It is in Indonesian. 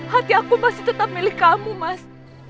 hati aku masih tetap milih kamu mas